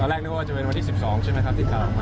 ตอนแรกนึกว่าจะเป็นวันที่๑๒ใช่มั้ยครับที่ขายออกมา